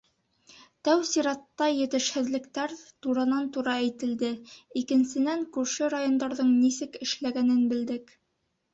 Тәү сиратта, етешһеҙлектәр туранан-тура әйтелде, икенсенән, күрше райондарҙың нисек эшләгәнен белдек.